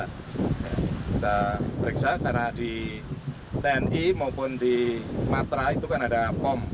kita periksa karena di tni maupun di matra itu kan ada pom